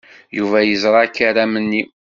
Yuba yeẓra akaram-nni.